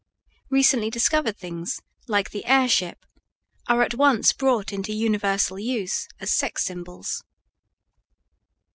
Recently discovered things, like the airship, are at once brought into universal use as sex symbols.